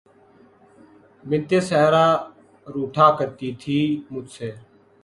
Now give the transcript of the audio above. بنت صحرا روٹھا کرتی تھی مجھ سے